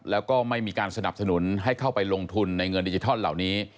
แล้วก็ไม่มีการสนับสนุนให้เข้าไปลงทุนในเงินดิจิทัลเหล่านี้